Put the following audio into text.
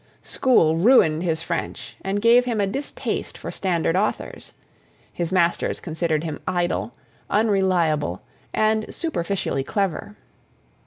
School ruined his French and gave him a distaste for standard authors. His masters considered him idle, unreliable and superficially clever.